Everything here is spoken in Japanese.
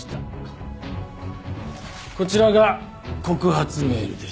こちらが告発メールです。